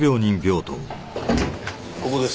ここです。